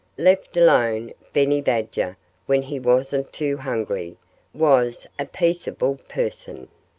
Left alone, Benny Badger when he wasn't too hungry was a peaceable person.